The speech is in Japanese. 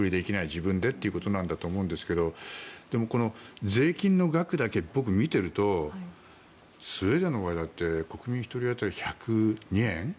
自分でっていうことなんだと思うんですけどでも、この税金の額だけ僕、見ているとスウェーデンの場合だって国民１人当たり１０２円。